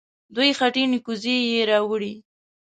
دوې خټينې کوزې يې راوړې.